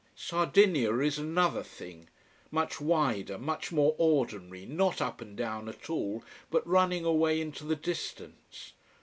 Sardinia is another thing. Much wider, much more ordinary, not up and down at all, but running away into the distance.